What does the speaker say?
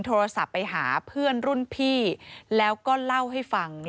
ที่อาสาขับรถเทลเลอร์ไปส่งน้องหญิง